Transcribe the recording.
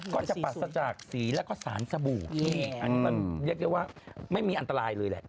ก็จะปรัสจากสีแล้วก็สารสบู่นี่อันนี้มันเรียกได้ว่าไม่มีอันตรายเลยแหละ